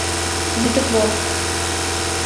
— Ну тык вот.